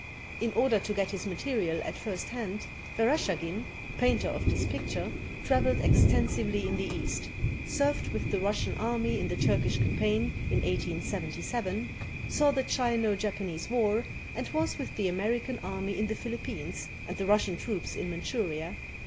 In order to get his material at first hand, Vereshchagin, painter of this picture, traveled extensively in the East, served with the Russian Army in the Turkish campaign in 1877, saw the Chino Japanese War, and was with the American army in the Philippines and the Russian troops in Manchuria.